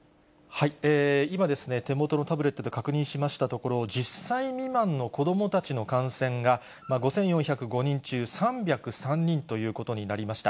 今ですね、手元のタブレットで確認しましたところ、１０歳未満の子どもたちの感染が５４０５人中３０３人ということになりました。